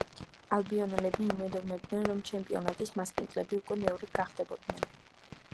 ალბიონელები იმედოვნებდნენ, რომ ჩემპიონატის მასპინძლები უკვე მეორედ გახდებოდნენ.